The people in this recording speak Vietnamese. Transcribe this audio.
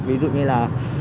ví dụ như là